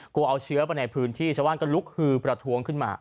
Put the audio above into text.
กลัวเอาเชื้อไปในพื้นที่ชาวบ้านก็ลุกฮือประท้วงขึ้นมา